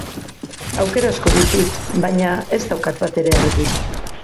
Aukera asko ditut, baina ez daukat batere argi.